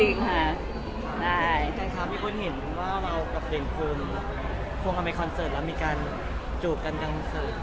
มีคนเห็นว่าเรากับเด็กรุงควรเข้าไปคอนเซิร์ตแล้วมีการจูบกันกัน